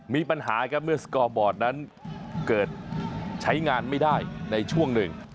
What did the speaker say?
มีปัญหาครับเมื่อสกอร์บอร์ดนั้นเกิดใช้งานไม่ได้ในช่วงหนึ่ง